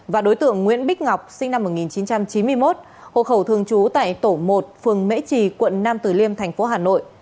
và đối tượng nguyễn bích ngọc sinh năm một nghìn chín trăm chín mươi một hộ khẩu thường trú tại tổ một phường mễ trì quận nam tử liêm thành phố hà nội